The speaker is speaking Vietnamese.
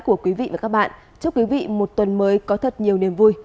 chúc quý vị một tuần mới có thật nhiều niềm vui